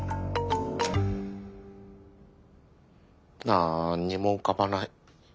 なんにも浮かばない。